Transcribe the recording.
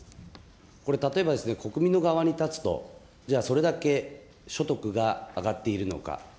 これ例えばですね、国民の側に立つと、じゃあそれだけ所得が上がっているのか。